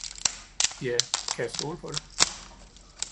Ja, kan jeg stole på det